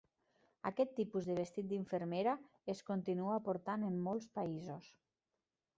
Aquest tipus de vestit d'infermera es continua portant en molts països.